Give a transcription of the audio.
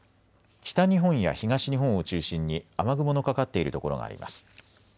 北日本や東日本を中心に雨雲のかかっている所があります。